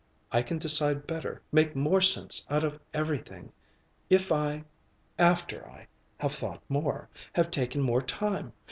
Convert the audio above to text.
I can decide better, make more sense out of everything, if I after I have thought more, have taken more time.